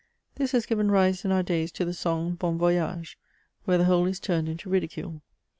This has given rise in our days to the song, " Bon Voyage," where the whole is turned into ridicule.